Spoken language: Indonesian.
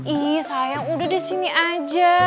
ih sayang udah di sini aja